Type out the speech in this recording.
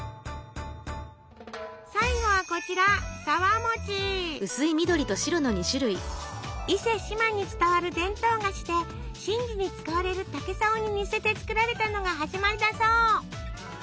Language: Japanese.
最後はこちら伊勢志摩に伝わる伝統菓子で神事に使われる「竹さお」に似せて作られたのが始まりだそう！